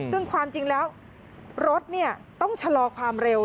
ซึ่งความจริงแล้วรถต้องชะลอความเร็ว